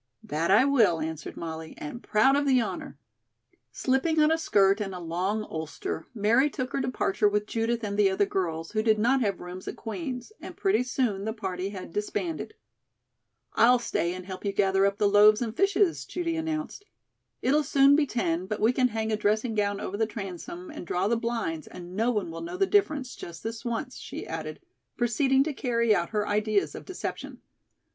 "That I will," answered Molly, "and proud of the honor." Slipping on a skirt and a long ulster, Mary took her departure with Judith and the other girls, who did not have rooms at Queen's, and pretty soon the party had disbanded. "I'll stay and help you gather up the loaves and fishes," Judy announced. "It'll soon be ten, but we can hang a dressing gown over the transom and draw the blinds and no one will know the difference just this once," she added, proceeding to carry out her ideas of deception.